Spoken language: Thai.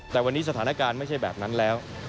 แต่วันนี้สถานการณ์ไม่ใช่แบบนั้นแล้ว